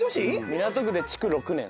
港区で築６年。